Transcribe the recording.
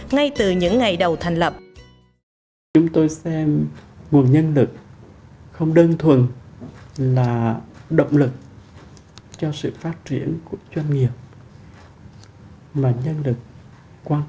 ngay từ những ngày đầu tiên